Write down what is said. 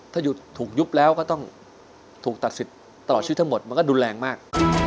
ถ้าถูกยุบแล้วก็ต้องถูกตัดสิทธิ์ตลอดชีวิตทั้งหมดมันก็รุนแรงมาก